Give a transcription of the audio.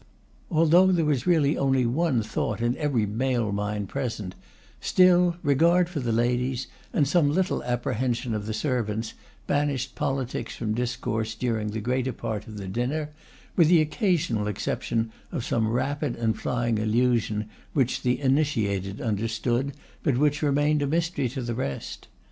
Although there was really only one thought in every male mind present, still, regard for the ladies, and some little apprehension of the servants, banished politics from discourse during the greater part of the dinner, with the occasional exception of some rapid and flying allusion which the initiated understood, but which remained a mystery to the rest.